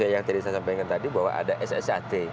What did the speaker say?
yang tadi saya sampaikan tadi bahwa ada ssat